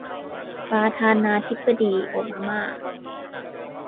ประธานาธิปดีโอบาม่า